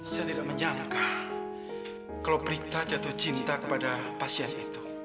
saya tidak menyangka kalau prita jatuh cinta kepada pasien itu